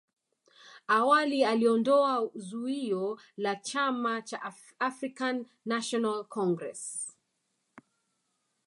awali aliondoa zuio la chama cha African national Congress